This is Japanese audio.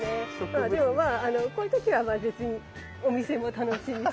まあでもまあこういう時は別にお店も楽しみつつ。